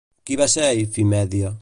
Qui va ser Ifimèdia?